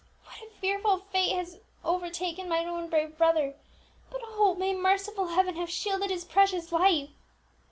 What a fearful fate may have overtaken mine own brave brother! But, oh! may merciful Heaven have shielded his precious life!"